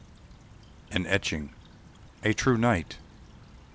AN ETCHING. A true knight!